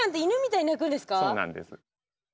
そうなんです。